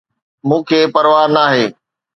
مون کي پرواه ناهي